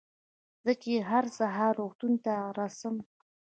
زه چې هر سهار روغتون ته رڅم.